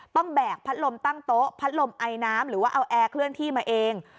แบกพัดลมตั้งโต๊ะพัดลมไอน้ำหรือว่าเอาแอร์เคลื่อนที่มาเอง